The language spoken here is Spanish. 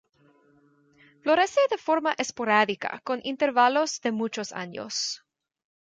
Florece de forma esporádica, con intervalos de muchos años.